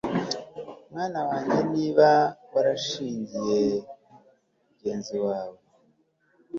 mwana wanjye, niba warishingiye mugenzi wawe